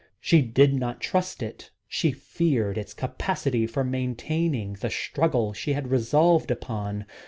She did not trust it; she feared its capacity for maintaining the struggle she had resolved upon.